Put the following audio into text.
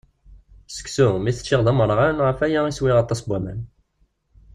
Seksu, mi t-ččiɣ d amerɣan, ɣef waya i swiɣ aṭas n waman.